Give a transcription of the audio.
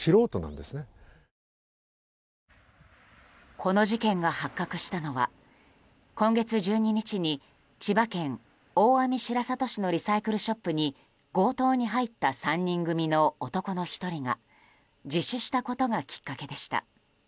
この事件が発覚したのは今月１２日に千葉県大網白里市のリサイクルショップに強盗に入った３人組の男の１人が自首したことがきっかけでした。